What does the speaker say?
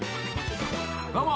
どうも。